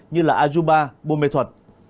như là ajuba bô mê thuật